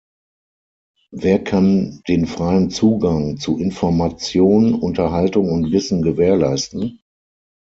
Wer kann den freien Zugang zu Information, Unterhaltung und Wissen gewährleisten?